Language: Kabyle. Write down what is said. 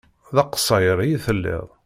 D aqṣayri i telliḍ.